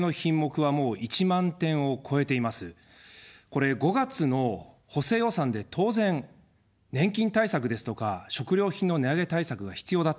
これ、５月の補正予算で、当然、年金対策ですとか、食料品の値上げ対策が必要だったんです。